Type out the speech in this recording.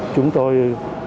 chúng tôi thực hiện